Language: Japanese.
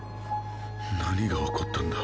何が起こったんだ。